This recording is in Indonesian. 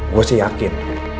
gue sih yakin